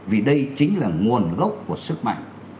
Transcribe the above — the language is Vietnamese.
vì đây chính là nguồn gốc của sức mạnh